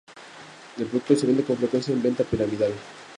El producto se vende con frecuencia en venta piramidal.